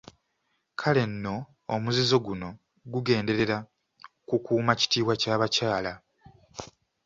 Kale nno omuzizo guno gugenderera kukuuma kitiibwa kya bakyala.